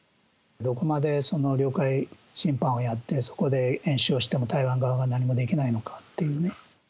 どこまで領海侵犯をやって、そこで演習をしても、台湾側が何もできないのかっていうね。